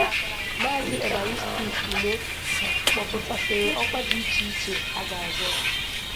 Maazị Evaristus Imoh kpọpụtasịrị ọkwa dị iche iche a ga-azọ